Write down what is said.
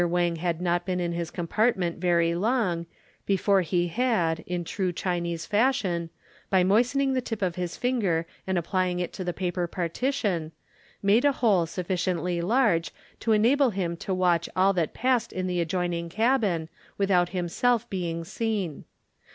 Wang had not been in his compartment very long before he had, in true Chinese fashion, by moistening the tip of his finger and applying it to the paper partition, made a hole sufficiently large to enable him to watch all that passed in the adjoining cabin without himself being seen.